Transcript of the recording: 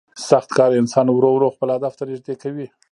سخت کار انسان ورو ورو خپل هدف ته نږدې کوي